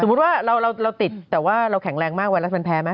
ว่าเราติดแต่ว่าเราแข็งแรงมากไวรัสมันแพ้ไหม